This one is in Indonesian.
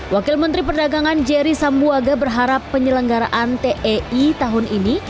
wakil menteri perdagangan jerry sambuaga berharap penyelenggaraan tei tahun ini